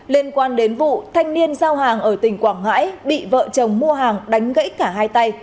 liên quan đến vụ thanh niên giao hàng ở tỉnh quảng ngãi bị vợ chồng mua hàng đánh gãy cả hai tay